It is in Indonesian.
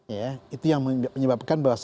ya itu yang menyebabkan bahwa